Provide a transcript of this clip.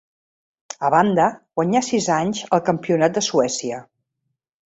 A banda, guanyà sis anys el Campionat de Suècia.